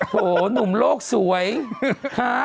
โหหนุ่มโลกสวยฮะ